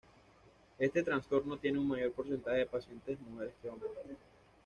Este trastorno tiene un mayor porcentaje de pacientes mujeres que hombres.